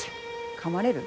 かまれる？